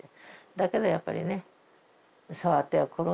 だけどやっぱりね触ってはくるんですけどね。